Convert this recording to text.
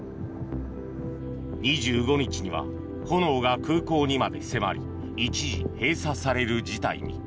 ２５日には炎が空港にまで迫り一時、閉鎖される事態に。